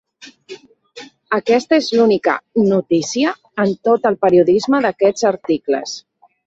Aquesta és l'única "notícia" en tot el periodisme d'aquests articles.